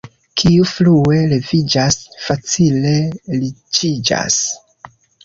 Kiu frue leviĝas, facile riĉiĝas.